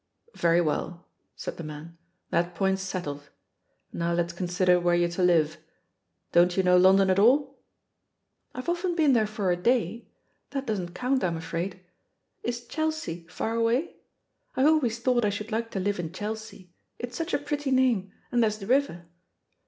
"Very well," said the man, "that point's set tled. Now let's consider where you're to livel Don't you know London at all?" "I've often been there for a day. That doesn't count, I'm afraid. Is Chelsea far away? I've always thought I should like to live in Chelsea; it's such a pretty name, and there's the river."